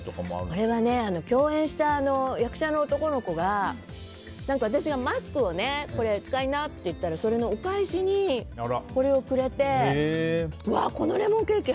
これは共演した役者の男の子が私がマスクをあげて使いなって言ったらそれのお返しにこれをくれてうわ、このレモンケーキ